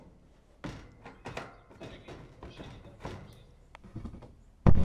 Bederatzi urterekin poesia idazten hasi zen.